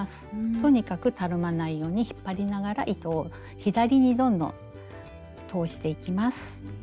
とにかくたるまないように引っ張りながら糸を左にどんどん通していきます。